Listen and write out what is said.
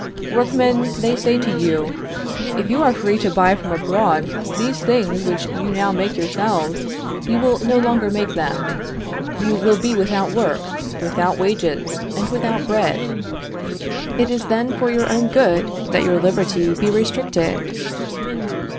_ Workmen, they say to you, "If you are free to buy from abroad these things which you now make yourselves, you will no longer make them. You will be without work, without wages, and without bread. It is then for your own good that your liberty be restricted."